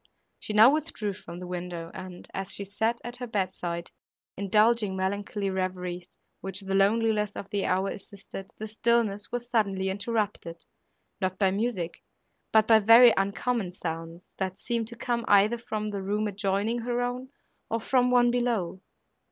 She now withdrew from the window, and, as she sat at her bedside, indulging melancholy reveries, which the loneliness of the hour assisted, the stillness was suddenly interrupted not by music, but by very uncommon sounds, that seemed to come either from the room adjoining her own, or from one below.